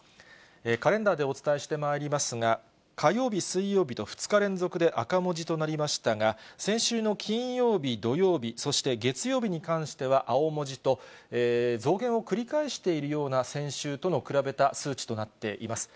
カレンダーでお伝えしてまいりますが、火曜日、水曜日と２日連続で赤文字となりましたが、先週の金曜日、土曜日、そして月曜日に関しては青文字と、増減を繰り返しているような、先週との比べた数値となっています。